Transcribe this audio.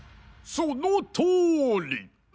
そのとおり！